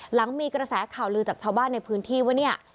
หลังมีกระแสข่าวลือจากชาวบ้านในพื้นที่ว่าเนี่ย